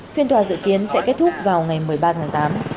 phiên tòa dự kiến sẽ kết thúc vào ngày một mươi ba tháng tám